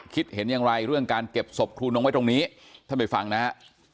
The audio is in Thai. คิดเห็นอย่างไรเรื่องการเก็บศพครูนงไว้ตรงนี้ท่านไปฟังนะฮะ